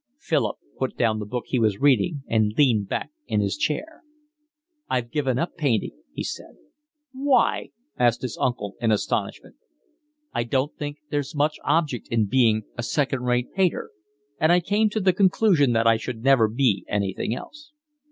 Philip put down the book he was reading and leaned back in his chair. "I've given up painting," he said. "Why?" asked his uncle in astonishment. "I don't think there's much object in being a second rate painter, and I came to the conclusion that I should never be anything else."